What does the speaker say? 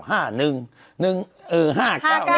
มันก็สมมติ๙๑๕๙